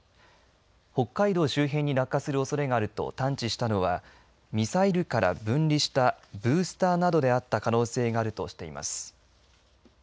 北海道周辺に落下するおそれがあると探知したのはミサイルから分離したブースターなどであった可能性があるとしています。